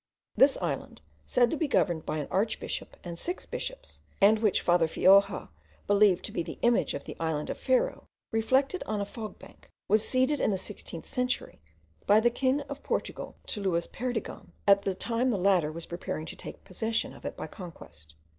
This island, said to be governed by an archbishop and six bishops, and which Father Feijoa believed to be the image of the island of Ferro, reflected on a fog bank, was ceded in the 16th century, by the King of Portugal, to Lewis Perdigon, at the time the latter was preparing to take possession of it by conquest.)